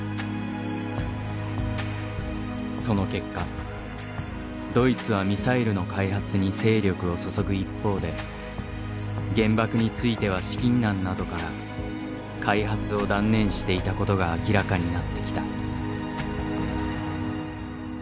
その結果ドイツはミサイルの開発に精力を注ぐ一方で原爆については資金難などから開発を断念していたことが明らかになってきた。